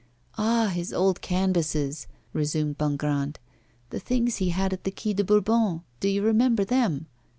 'Ah! his old canvases,' resumed Bongrand, 'the things he had at the Quai de Bourbon, do you remember them?